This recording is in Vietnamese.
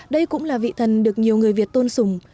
đây cũng là vị thần được nhiều người việt tôn sùng